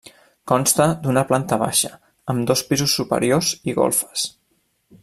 Consta d'una planta baixa, amb dos pisos superiors i golfes.